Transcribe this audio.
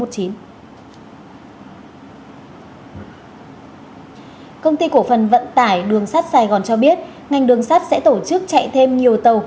công ty cổ phần vận tải đường sắt sài gòn cho biết ngành đường sắt sẽ tổ chức chạy thêm nhiều tàu